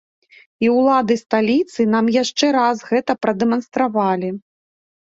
І ўлады сталіцы нам яшчэ раз гэта прадэманстравалі.